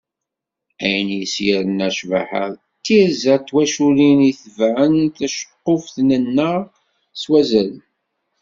Ayen i as-yernan ccbaḥa d tirza n twaculin i itebɛen taceqquft-nneɣ s wazal.